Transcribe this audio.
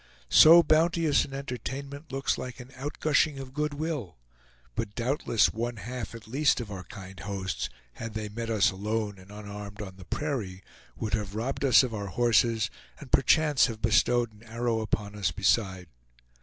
So bounteous an entertainment looks like an outgushing of good will; but doubtless one half at least of our kind hosts, had they met us alone and unarmed on the prairie, would have robbed us of our horses, and perchance have bestowed an arrow upon us beside.